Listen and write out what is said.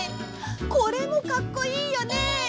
これもかっこいいよね！